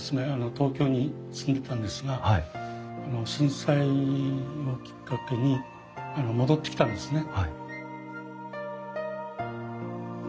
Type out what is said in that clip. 東京に住んでたんですが震災をきっかけに戻ってきたんですね。